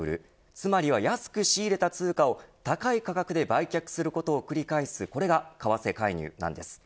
つまりは安く仕入れた通貨を高い価格で売却することを繰り返すこれが、為替介入なんです。